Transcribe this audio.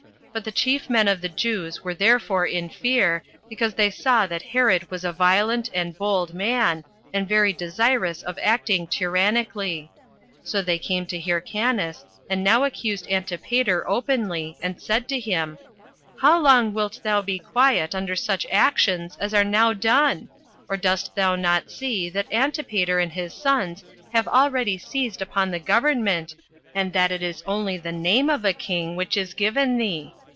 But the chief men of the Jews were therefore in fear, because they saw that Herod was a violent and bold man, and very desirous of acting tyrannically; so they came to Hyrcanus, and now accused Antipater openly, and said to him, "How long wilt thou be quiet under such actions as are now done? Or dost thou not see that Antipater and his sons have already seized upon the government, and that it is only the name of a king which is given thee?